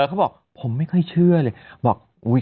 เขาบอกผมไม่ค่อยเชื่อเลยบอก